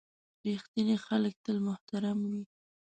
• رښتیني خلک تل محترم وي.